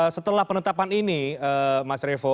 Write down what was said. setelah penetapan ini mas revo